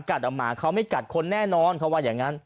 หมากัดอ่ะหมาเขาไม่กัดคนแน่นอนเขาบอกอย่างนั้น